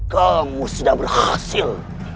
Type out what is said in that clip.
kamu sudah berhasil